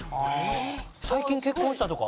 最近結婚したとか？